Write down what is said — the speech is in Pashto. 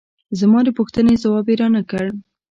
زما د پوښتنې ځواب یې را نه کړ.